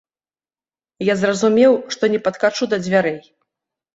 Я зразумеў, што не падкачу да дзвярэй.